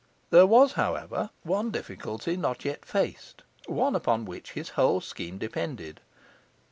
There was, however, one difficulty not yet faced, one upon which his whole scheme depended.